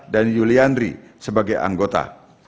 dan yuli andri sebagai anggota